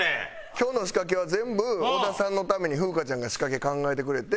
今日の仕掛けは全部小田さんのために風花ちゃんが仕掛け考えてくれて。